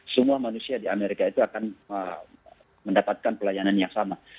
semua manusia di amerika itu akan mendapatkan pelayanan yang sama